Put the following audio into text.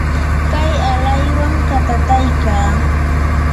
kay alaywan katataykaa.